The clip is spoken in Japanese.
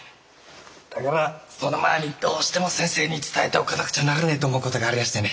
だからその前にどうしても先生に伝えておかなくちゃならねえと思うことがありやしてね